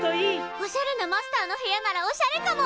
おしゃれなマスターの部屋ならおしゃれかも！